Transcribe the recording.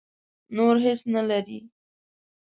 نور هېڅ نه لري.